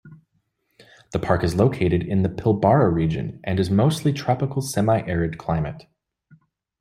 The park is located in the Pilbara region, and is mostly tropical semi-arid climate.